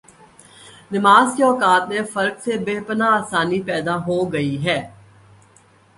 نمازکے اوقات میں فرق سے بے پناہ آسانی پیدا ہوگئی ہے۔